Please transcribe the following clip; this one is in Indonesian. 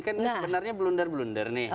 kan ini sebenarnya blunder blunder nih